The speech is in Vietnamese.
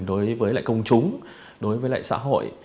đối với công chúng đối với xã hội